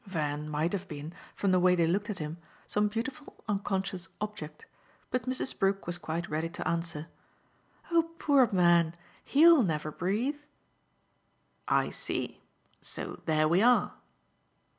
Van might have been, from the way they looked at him, some beautiful unconscious object; but Mrs. Brook was quite ready to answer. "Oh poor man, HE'LL never breathe." "I see. So there we are."